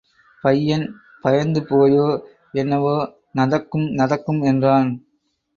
பையன் பயந்துபோயோ என்னவோ, நதக்கும்... நதக்கும்... என்றான்.